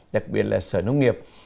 đặc biệt là sở nông nghiệp